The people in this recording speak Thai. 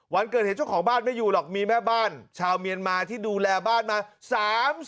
วันเกิดเหตุเจ้าของบ้านไม่อยู่หรอกมีแม่บ้านชาวเมียนมาที่ดูแลบ้านมา๓๐